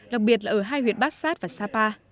đặc biệt là ở hai huyện bát sát và sapa